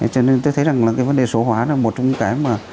cho nên tôi thấy rằng là cái vấn đề số hóa là một trong những cái mà